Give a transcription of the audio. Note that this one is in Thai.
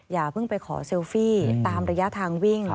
อย่าเพิ่งไปขอเซลฟี่ตามระยะทางวิ่ง